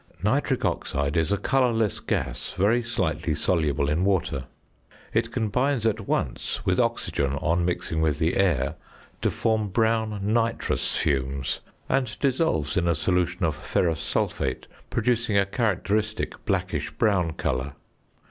Nitric oxide is a colourless gas very slightly soluble in water. It combines at once with oxygen, on mixing with the air, to form brown "nitrous fumes," and dissolves in a solution of ferrous sulphate, producing a characteristic blackish brown colour.